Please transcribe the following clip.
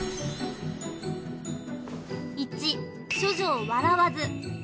１処女を笑わず。